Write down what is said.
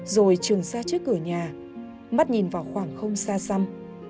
rồi trường xa trước cửa nhà mắt nhìn vào khoảng không xa xăm